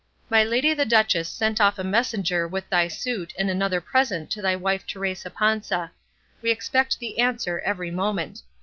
My lady the duchess sent off a messenger with thy suit and another present to thy wife Teresa Panza; we expect the answer every moment.